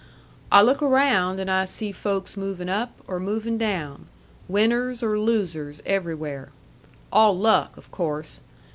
I look around and I see folks movin' up or movin' down, winners or losers everywhere. All luck, of course.